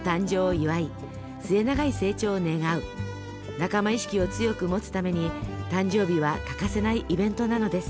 仲間意識を強く持つために誕生日は欠かせないイベントなのです。